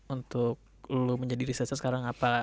untuk lo menjadi researcher sekarang